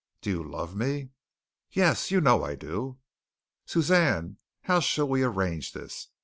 Do you love me?" "Yes, you know I do." "Suzanne, how shall we arrange this?